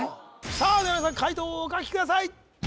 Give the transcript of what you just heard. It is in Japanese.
さあでは皆さん解答をお書きください！